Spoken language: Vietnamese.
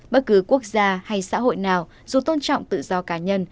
bất cứ quốc gia hay xã hội nào dù tôn trọng tự do cá nhân